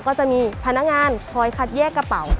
ก็จะมีพนักงานคอยคัดแยกกระเป๋า